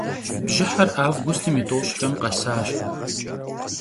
Bjıher avgustım yi t'oş'xem khesaş.